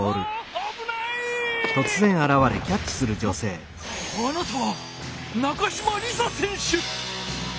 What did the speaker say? あっあなたは中島梨紗選手！